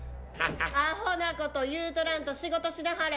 アホなこと言うとらんと仕事しなはれ。